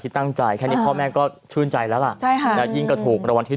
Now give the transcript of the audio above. ที่ตั้งใจแค่นี้พ่อแม่ก็ชื่นใจแล้วล่ะยิ่งก็ถูกระวังที่